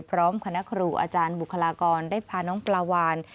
พร้อมคณะครูอาจารย์บุคลากรได้พาน้องปลาวาน